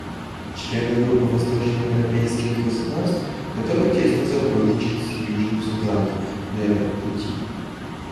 Члены Группы восточноевропейских государств готовы тесно сотрудничать с Южным Суданом на этом пути.